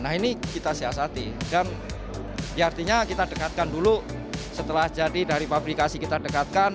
nah ini kita siasati dan ya artinya kita dekatkan dulu setelah jadi dari pabrikasi kita dekatkan